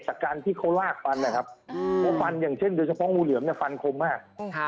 จากการที่เขาลากฟันนะครับเพราะฟันอย่างเช่นโดยเฉพาะงูเหลือมเนี่ยฟันคมมาก